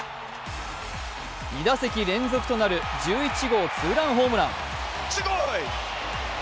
２打席連続となる１１号ツーランホームラン。